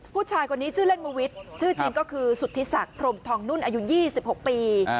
ผู้ชายคนนี้ชื่อเล่นมวิทย์ชื่อจริงก็คือสุธิศักดิ์พรมทองนุ่นอายุ๒๖ปี